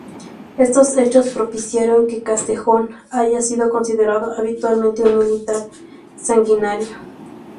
Estos hechos propiciaron que Castejón haya sido considerado habitualmente un militar sanguinario.